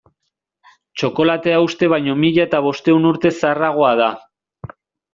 Txokolatea uste baino mila eta bostehun urte zaharragoa da.